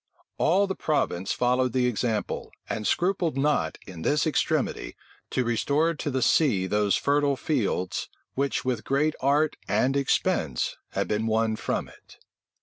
All the province followed the example, and scrupled not, in this extremity, to restore to the sea those fertile fields which with great art and expense had been won from it.